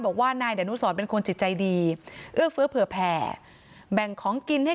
บอกว่านายดะนุศรเป็นคนจิตใจดีเพื่อแผ่แบ่งของกินให้